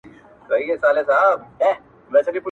له مرغکیو به وي هیري مورنۍ سندري-